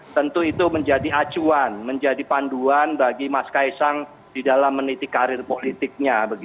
tentu itu menjadi acuan menjadi panduan bagi mas kaisang di dalam meniti karir politiknya